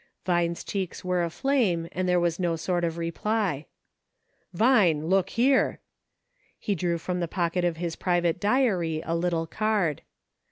''" Vine's cheeks were aflame, and there was no sort of reply. "Vine, look here ;" he drew from the pocket of his private diary a little card.